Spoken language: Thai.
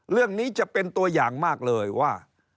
เรื่องนี้จะเป็นตัวอย่างมากเลยว่า